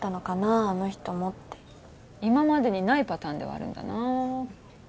あの人もって今までにないパターンではあるんだなあ